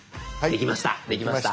できました。